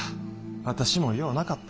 私もようなかった。